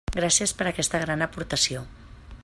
Gràcies per aquesta gran aportació.